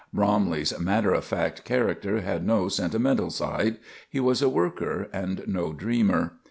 Bromley's matter of fact character had no sentimental side. He was a worker, and no dreamer.